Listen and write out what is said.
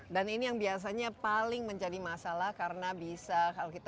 dan ini yang biasanya paling menjadi masalah karena bisa kalau kita buang masuk ke tempat lainnya